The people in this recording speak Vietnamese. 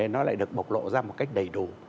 nó lại được bộc lộ ra một cách đầy đủ